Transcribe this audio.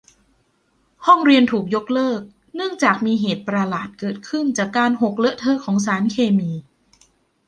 ห้องเรียนถูกยกเลิกเนื่องจากมีเหตุประหลาดเกิดขึ้นจากการหกเลอะเทอะของสารเคมี